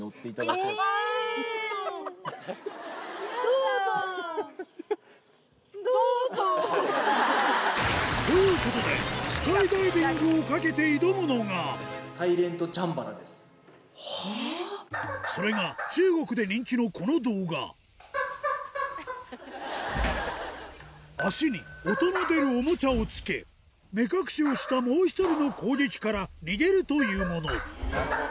どうぞ！ということでそれが中国で人気のこの動画足に音の出るおもちゃをつけ目隠しをしたもう１人の攻撃から逃げるというもの